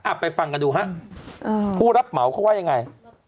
ไปฟังกันดูฮะผู้รับเหมาเขาว่ายังไง